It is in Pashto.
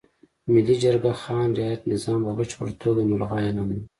ملي جرګه خان رعیت نظام په بشپړه توګه ملغا اعلانوي.